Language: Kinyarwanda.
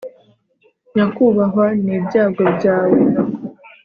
nyakubahwa, ni ibyago byawe